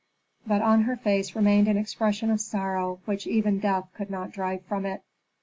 But on her face remained an expression of sorrow which even death could not drive from it.